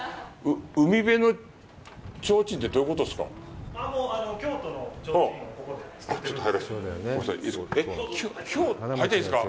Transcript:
「海辺のちょうちん」って、どういうことですか。